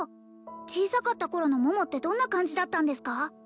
小さかった頃の桃ってどんな感じだったんですか？